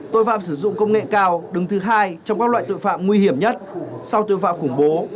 tội phạm sử dụng công nghệ cao đứng thứ hai trong các loại tội phạm nguy hiểm nhất sau tội phạm khủng bố